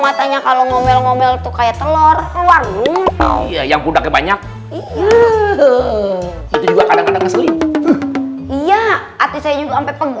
matanya kalau ngomel ngomel tuh kayak telur luar gumpal yang udah banyak iya hati saya juga